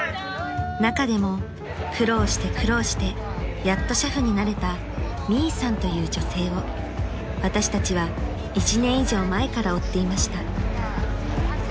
［中でも苦労して苦労してやっと俥夫になれたミイさんという女性を私たちは１年以上前から追っていました］